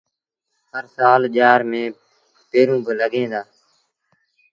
هر سآل ڄآر ميݩ پيٚنرون با لڳيٚن دآ۔